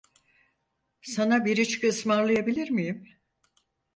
Sana bir içki ısmarlayabilir miyim?